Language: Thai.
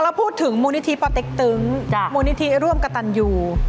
พอเราพูดถึงมูลนิธีปอดติ๊กตึงมูลนิธีร่วมกับตันอยู่